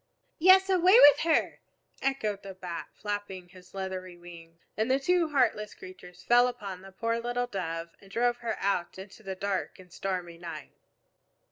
"Yes, away with her!" echoed the Bat, flapping his leathery wings. And the two heartless creatures fell upon the poor little Dove and drove her out into the dark and stormy night.